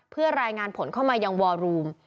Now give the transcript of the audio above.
เพื่อรายงานผลเข้ามายังวอรูม